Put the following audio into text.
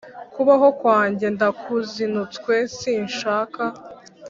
Kubaho kwanjye ndakuzinutswe sinshaka